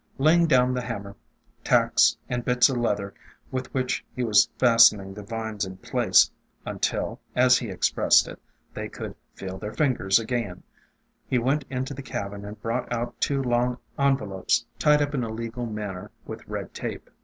Laying down the hammer, tacks, and bits of leather with which he was fastening the vines in place, until, as he expressed it, they could "feel their fingers again," he went into the cabin and brought out two long envelopes tied up in a legal manner with red tape.